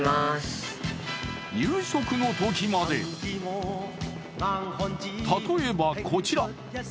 夕食のときまで例えば、こちら。